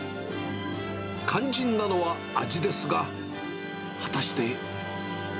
肝心なのは味ですが、果たして。